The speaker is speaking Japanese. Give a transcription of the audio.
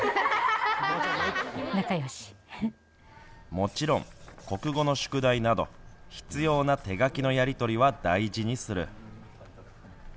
もちろん国語の宿題など必要な手書きのやりとりは大事にする。